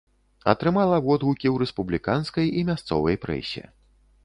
Атрымала водгукі ў рэспубліканскай і мясцовай прэсе.